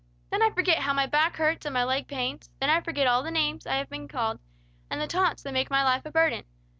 Then I forget how my back hurts and my leg pains; then I forget all the names I have been called, and the taunts that make my life a burden.